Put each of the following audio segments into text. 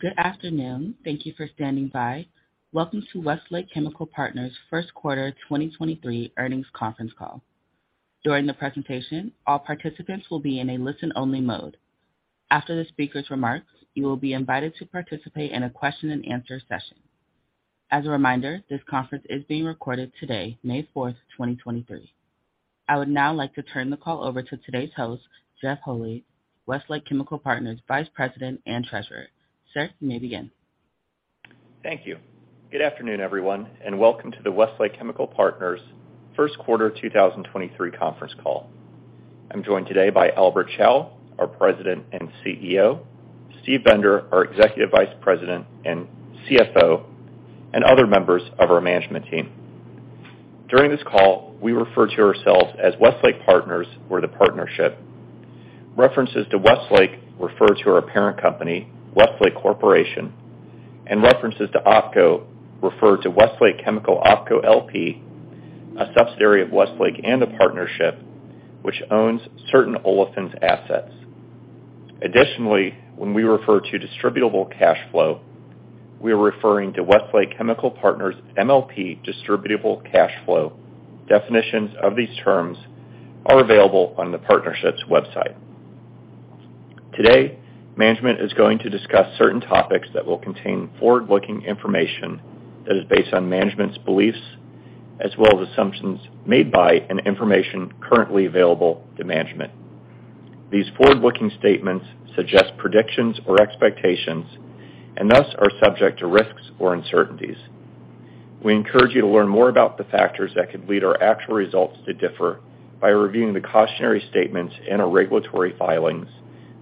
Good afternoon. Thank you for standing by. Welcome to Westlake Chemical Partners' first quarter 2023 earnings conference call. During the presentation, all participants will be in a listen-only mode. After the speaker's remarks, you will be invited to participate in a question-and-answer session. As a reminder, this conference is being recorded today, May fourth, 2023. I would now like to turn the call over to today's host, Jeff Holy, Westlake Chemical Partners Vice President and Treasurer. Sir, you may begin. Thank you. Good afternoon, everyone, welcome to the Westlake Chemical Partners first quarter 2023 conference call. I'm joined today by Albert Chao, our President and CEO, Steve Bender, our Executive Vice President and CFO, and other members of our management team. During this call, we refer to ourselves as Westlake Partners or the Partnership. References to Westlake refer to our parent company, Westlake Corporation, and references to OpCo refer to Westlake Chemical OpCo LP, a subsidiary of Westlake and the Partnership which owns certain olefins assets. Additionally, when we refer to distributable cash flow, we are referring to Westlake Chemical Partners MLP distributable cash flow. Definitions of these terms are available on the Partnership's website. Today, management is going to discuss certain topics that will contain forward-looking information that is based on management's beliefs as well as assumptions made by and information currently available to management. These forward-looking statements suggest predictions or expectations and thus are subject to risks or uncertainties. We encourage you to learn more about the factors that could lead our actual results to differ by reviewing the cautionary statements in our regulatory filings,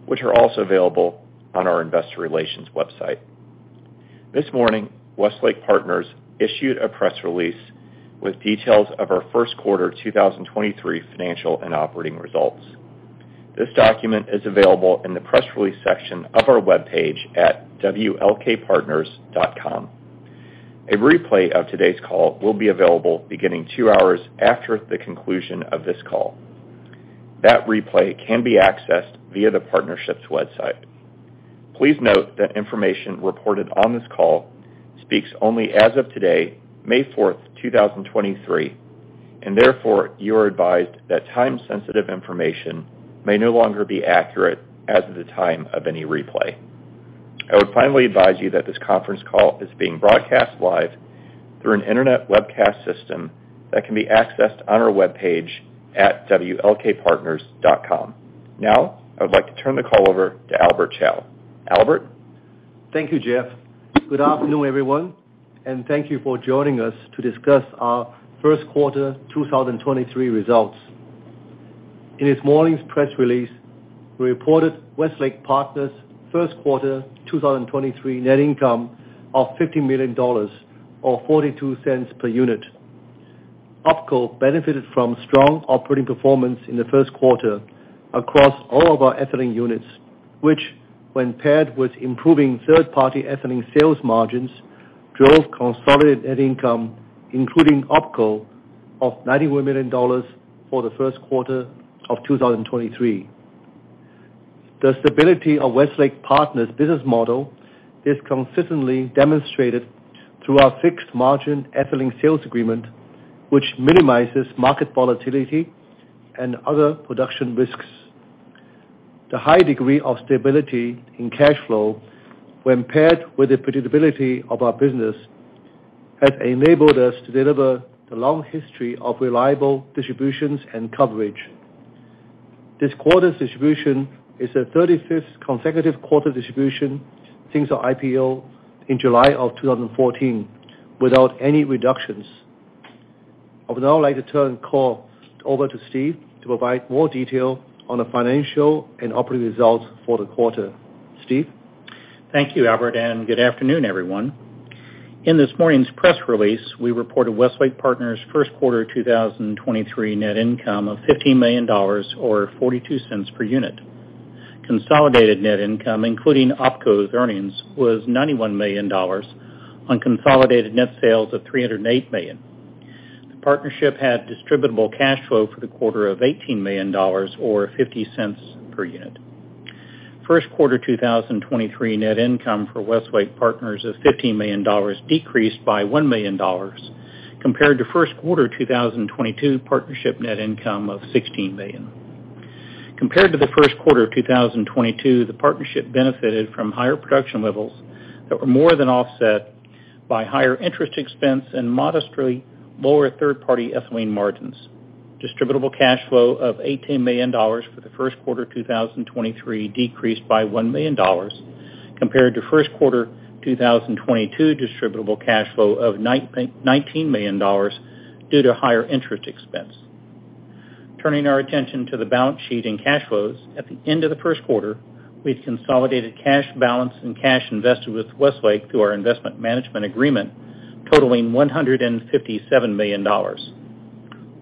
which are also available on our investor relations website. This morning, Westlake Partners issued a press release with details of our 1st quarter 2023 financial and operating results. This document is available in the press release section of our webpage at wlkpartners.com. A replay of today's call will be available beginning 2 hours after the conclusion of this call. That replay can be accessed via the Partnership's website. Please note that information reported on this call speaks only as of today, May 4, 2023, and therefore you are advised that time-sensitive information may no longer be accurate as of the time of any replay. I would finally advise you that this conference call is being broadcast live through an internet webcast system that can be accessed on our webpage at wlkpartners.com. Now, I would like to turn the call over to Albert Chao. Albert? Thank you, Jeff. Good afternoon, everyone, thank you for joining us to discuss our first quarter 2023 results. In this morning's press release, we reported Westlake Partners' first quarter 2023 net income of $50 million or $0.42 per unit. OpCo benefited from strong operating performance in the first quarter across all of our ethylene units, which when paired with improving third-party ethylene sales margins, drove consolidated net income, including OpCo, of $91 million for the first quarter of 2023. The stability of Westlake Partners' business model is consistently demonstrated through our fixed-margin Ethylene Sales Agreement, which minimizes market volatility and other production risks. The high degree of stability in cash flow, when paired with the predictability of our business, has enabled us to deliver the long history of reliable distributions and coverage. This quarter's distribution is the 35th consecutive quarter distribution since our IPO in July of 2014 without any reductions. I would now like to turn the call over to Steve to provide more detail on the financial and operating results for the quarter. Steve? Thank you, Albert. Good afternoon, everyone. In this morning's press release, we reported Westlake Partners' first quarter 2023 net income of $50 million or $0.42 per unit. Consolidated net income, including OpCo's earnings, was $91 million on consolidated net sales of $308 million. The Partnership had distributable cash flow for the quarter of $18 million or $0.50 per unit. First quarter 2023 net income for Westlake Partners is $15 million, decreased by $1 million compared to first quarter 2022 Partnership net income of $16 million. Compared to the first quarter of 2022, the Partnership benefited from higher production levels that were more than offset by higher interest expense and modestly lower third-party ethylene margins. Distributable cash flow of $18 million for the first quarter 2023 decreased by $1 million compared to first quarter 2022 distributable cash flow of $19 million due to higher interest expense. Turning our attention to the balance sheet and cash flows, at the end of the first quarter, we had consolidated cash balance and cash invested with Westlake through our Investment Management Agreement totaling $157 million.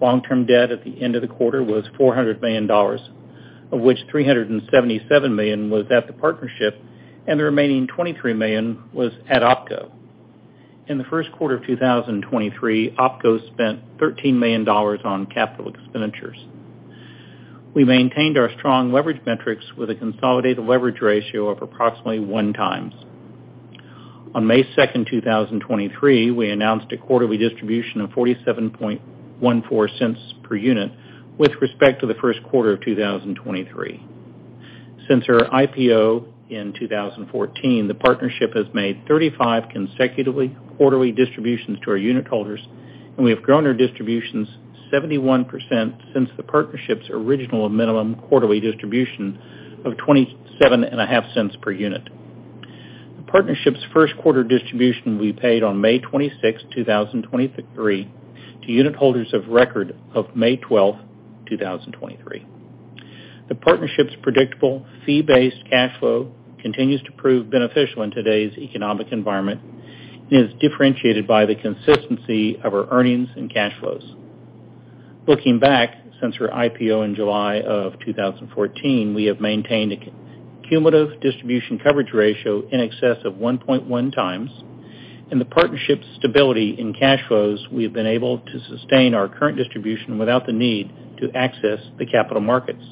Long-term debt at the end of the quarter was $400 million, of which $377 million was at the Partnership and the remaining $23 million was at OpCo. In the first quarter of 2023, OpCo spent $13 million on CapEx. We maintained our strong leverage metrics with a consolidated leverage ratio of approximately 1 times. On May 2, 2023, we announced a quarterly distribution of $0.4714 per unit with respect to the first quarter of 2023. Since our IPO in 2014, the partnership has made 35 consecutively quarterly distributions to our unitholders, and we have grown our distributions 71% since the partnership's original minimum quarterly distribution of $0.275 per unit. The partnership's first quarter distribution will be paid on May 26, 2023 to unitholders of record of May 12, 2023. The partnership's predictable fee-based cash flow continues to prove beneficial in today's economic environment and is differentiated by the consistency of our earnings and cash flows. Looking back, since our IPO in July of 2014, we have maintained a cumulative distribution coverage ratio in excess of 1.1 times. In the partnership's stability in cash flows, we have been able to sustain our current distribution without the need to access the capital markets.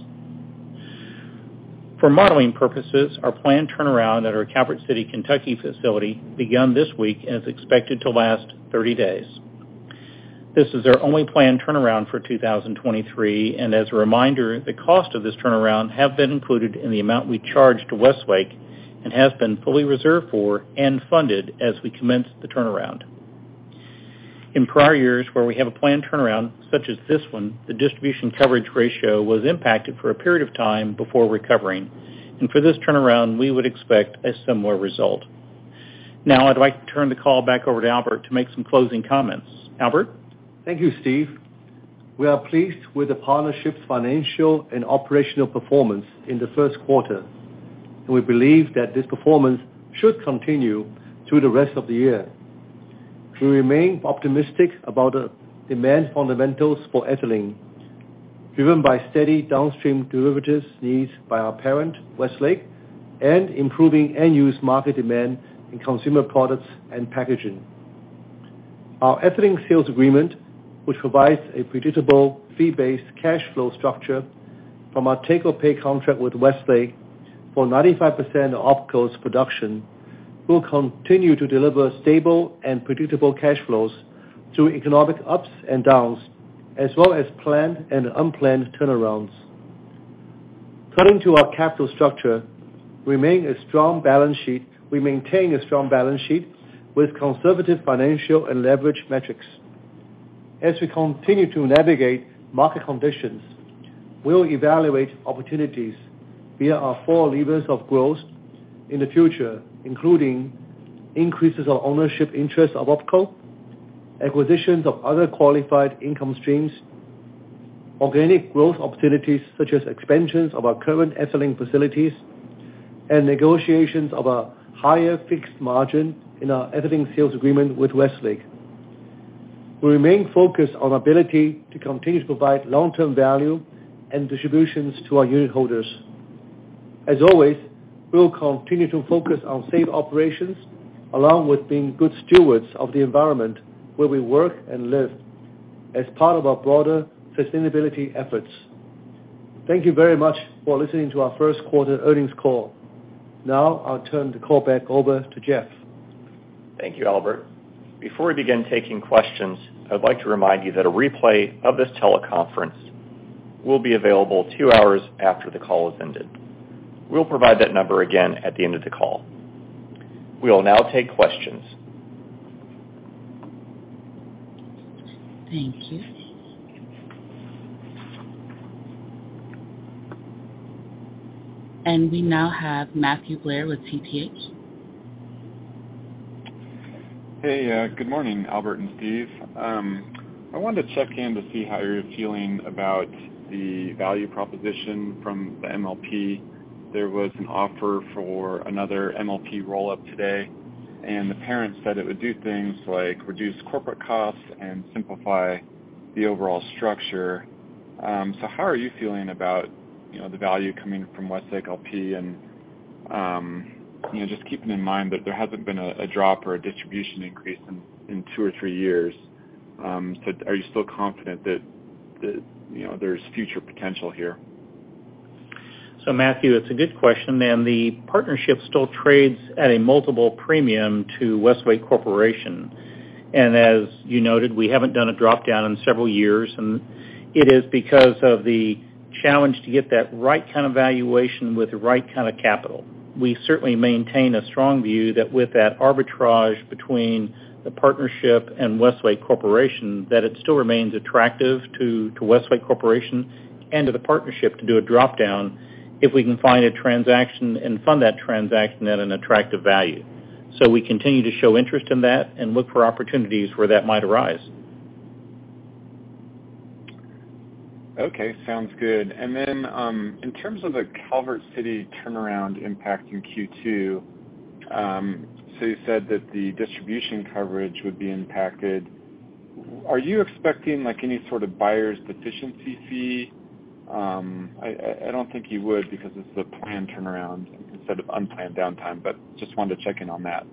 For modeling purposes, our planned turnaround at our Calvert City, Kentucky facility began this week and is expected to last 30 days. This is our only planned turnaround for 2023. As a reminder, the cost of this turnaround have been included in the amount we charge to Westlake and has been fully reserved for and funded as we commenced the turnaround. In prior years, where we have a planned turnaround such as this one, the distribution coverage ratio was impacted for a period of time before recovering. For this turnaround, we would expect a similar result. Now, I'd like to turn the call back over to Albert to make some closing comments. Albert? Thank you, Steve. We are pleased with the partnership's financial and operational performance in the first quarter. We believe that this performance should continue through the rest of the year. We remain optimistic about the demand fundamentals for ethylene, driven by steady downstream derivatives needs by our parent, Westlake, and improving end-use market demand in consumer products and packaging. Our Ethylene Sales Agreement, which provides a predictable fee-based cash flow structure from our take-or-pay contract with Westlake for 95% of OpCo's production, will continue to deliver stable and predictable cash flows through economic ups and downs, as well as planned and unplanned turnarounds. Turning to our capital structure, we maintain a strong balance sheet with conservative financial and leverage metrics. As we continue to navigate market conditions, we'll evaluate opportunities via our four levers of growth in the future, including increases of ownership interest of OpCo, acquisitions of other qualified income streams, organic growth opportunities such as expansions of our current ethylene facilities, and negotiations of a higher fixed margin in our ethylene sales agreement with Westlake. We remain focused on ability to continue to provide long-term value and distributions to our unitholders. As always, we'll continue to focus on safe operations along with being good stewards of the environment where we work and live as part of our broader sustainability efforts. Thank you very much for listening to our first quarter earnings call. Now, I'll turn the call back over to Jeff. Thank you, Albert. Before we begin taking questions, I would like to remind you that a replay of this teleconference will be available two hours after the call has ended. We'll provide that number again at the end of the call. We will now take questions. Thank you. We now have Matthew Blair with TPH. Hey, good morning, Albert and Steve. I wanted to check in to see how you're feeling about the value proposition from the MLP. There was an offer for another MLP roll-up today, and the parent said it would do things like reduce corporate costs and simplify the overall structure. How are you feeling about, you know, the value coming from Westlake LP? You know, just keeping in mind that there hasn't been a drop or a distribution increase in two or three years. Are you still confident that, you know, there's future potential here? Matthew, that's a good question, the partnership still trades at a multiple premium to Westlake Corporation. As you noted, we haven't done a drop down in several years, it is because of the challenge to get that right kind of valuation with the right kind of capital. We certainly maintain a strong view that with that arbitrage between the partnership and Westlake Corporation, that it still remains attractive to Westlake Corporation and to the partnership to do a drop down if we can find a transaction and fund that transaction at an attractive value. We continue to show interest in that and look for opportunities where that might arise. Okay. Sounds good. In terms of the Calvert City turnaround impact in Q2, you said that the distribution coverage would be impacted. Are you expecting, like, any sort of buyer's deficiency fee? I don't think you would because it's a planned turnaround instead of unplanned downtime, but just wanted to check in on that.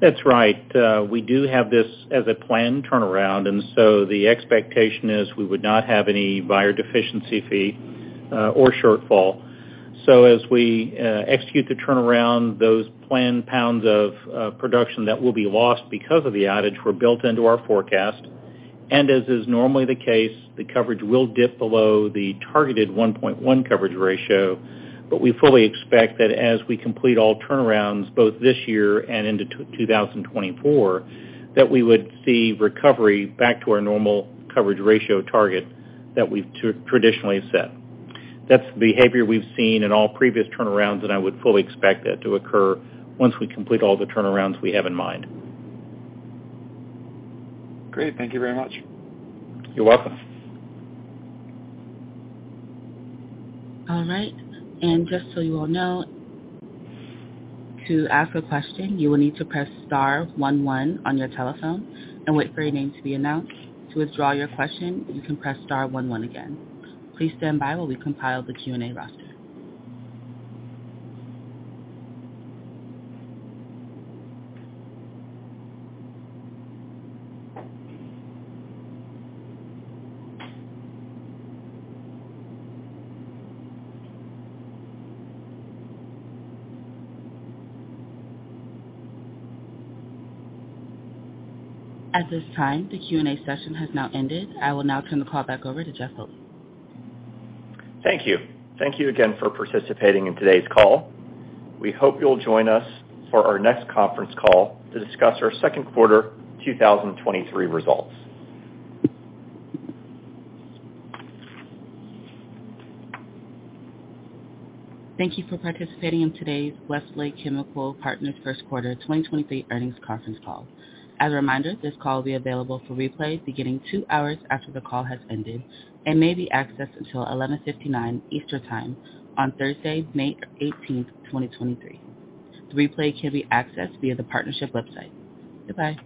That's right. We do have this as a planned turnaround, the expectation is we would not have any buyer deficiency fee or shortfall. As we execute the turnaround, those planned pounds of production that will be lost because of the outage were built into our forecast. As is normally the case, the coverage will dip below the targeted 1.1 coverage ratio. We fully expect that as we complete all turnarounds both this year and into 2024, that we would see recovery back to our normal coverage ratio target that we've traditionally set. That's the behavior we've seen in all previous turnarounds, and I would fully expect that to occur once we complete all the turnarounds we have in mind. Great. Thank you very much. You're welcome. All right. Just so you all know, to ask a question, you will need to press star one one on your telephone and wait for your name to be announced. To withdraw your question, you can press star one one again. Please stand by while we compile the Q&A roster. At this time, the Q&A session has now ended. I will now turn the call back over to Jeff Hol. Thank you. Thank you again for participating in today's call. We hope you'll join us for our next conference call to discuss our second quarter 2023 results. Thank you for participating in today's Westlake Chemical Partners First Quarter 2023 earnings conference call. As a reminder, this call will be available for replay beginning 2 hours after the call has ended and may be accessed until 11:59 Eastern Time on Thursday, May 18th, 2023. The replay can be accessed via the partnership website. Goodbye.